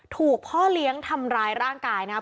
ถูกพ่อเลี้ยงทำร้ายร่างกายนะครับ